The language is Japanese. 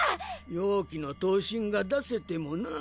妖気の刀身が出せてもなぁ。